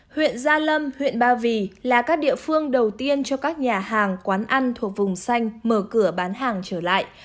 huyện gia lâm huyện ba vì là các địa phương đầu tiên cho các nhà hàng quán ăn thuộc vùng xanh mở cửa bán hàng trở lại